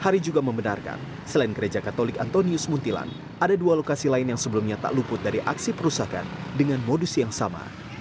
hari juga membenarkan selain gereja katolik antonius muntilan ada dua lokasi lain yang sebelumnya tak luput dari aksi perusahaan dengan modus yang sama